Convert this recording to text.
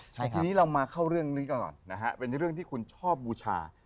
ทีนี้เรามาเข้าเรื่องนี้กันก่อนนะฮะเป็นเรื่องที่คุณชอบบูชา